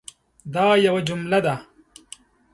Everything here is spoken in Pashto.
دا یوه جمله ده